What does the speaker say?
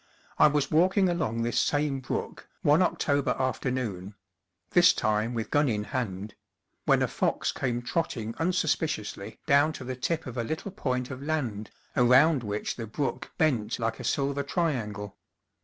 I was walking along this same brook, one Oc 167 Where Town and Country Meet tober afternoon this time with gun in hand when a fox came trotting unsuspiciously down to the tip of a little point of land around which the brook bent like a silver triangle.